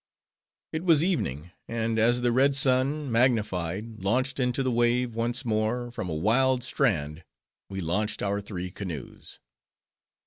It was evening; and as the red sun, magnified, launched into the wave, once more, from a wild strand, we launched our three canoes.